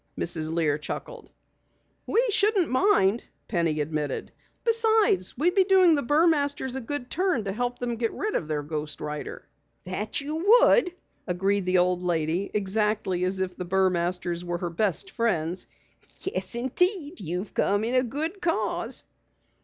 Mrs. Lear chuckled. "We shouldn't mind," Penny admitted. "Besides, we'd be doing the Burmasters a good turn to help them get rid of their ghost rider." "That you would," agreed the old lady exactly as if the Burmasters were her best friends. "Yes, indeed, you've come in a good cause."